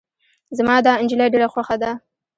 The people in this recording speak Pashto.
زما دا نجلی ډیره خوښه ده.